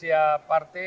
itu rahasia partai